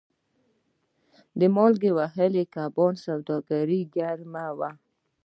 د مالګې وهلو کبانو سوداګري ګرمه وه.